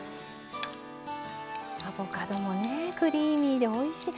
アボカドもクリーミーでおいしい。